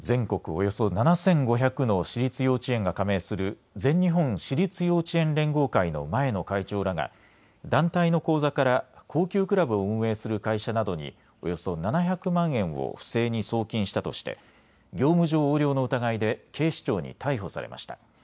およそ７５００の私立幼稚園が加盟する全日本私立幼稚園連合会の前の会長らが団体の口座から高級クラブを運営する会社などにおよそ７００万円を不正に送金したとして業務上横領の疑いで警視庁に逮捕されました。